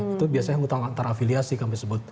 itu biasanya hutang antara afiliasi kami sebut